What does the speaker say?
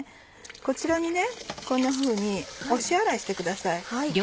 こちらにこんなふうに押し洗いしてください。